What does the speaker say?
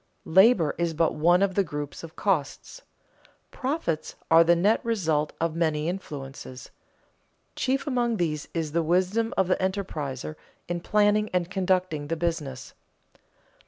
Labor is but one of the groups of costs. Profits are the net result of many influences. Chief among these is the wisdom of the enterpriser in planning and conducting the business.